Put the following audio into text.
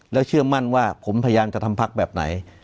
และเชื่อมั่นว่าผมพยายามจะทำพักแบบไหน